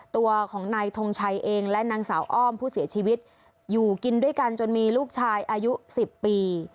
ตัวของนายทงชัยเองและนางสาวอ้อมผู้เสียชีวิตอยู่กินด้วยกันจนมีลูกชายอายุ๑๐ปี